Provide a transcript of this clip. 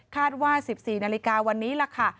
ว่า๑๔นาฬิกาวันนี้ล่ะค่ะ